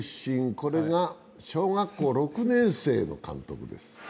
これが小学校６年生の監督です。